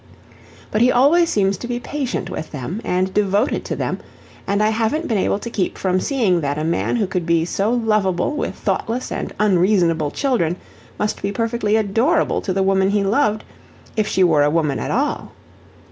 But he always seems to be patient with them, and devoted to them, and I haven't been able to keep from seeing that a man who could be so lovable with thoughtless and unreasonable children must be perfectly adorable to the woman he loved, if she were a woman at all.